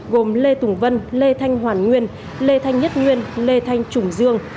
gồm lê tùng vân lê thanh hoàn nguyên lê thanh nhất nguyên lê thanh trùng dương